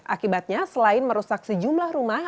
akibatnya selain merusak sejumlah rumah